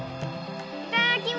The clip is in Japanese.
いただきま。